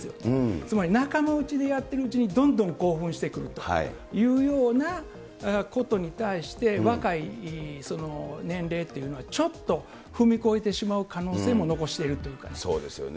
つまり、仲間内でやってるうちにどんどん興奮してくるというようなことに対して、若い年齢というのは、ちょっと踏み越えてしまう可能性そうですよね。